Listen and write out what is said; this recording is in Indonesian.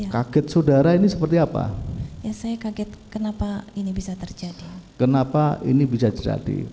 kaget saudara ini seperti apa ya saya kaget kenapa ini bisa terjadi kenapa ini bisa jadi